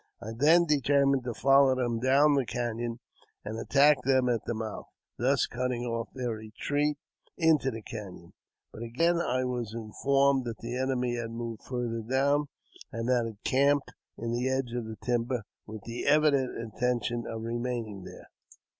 I then determined to follow them down the canon and attack them at the mouth, thus cutting off their retreat into the caiion; but again I was informed that the enemy had moved farther down, and had encamped in the edge of the timber, with the evident intention of remaining there.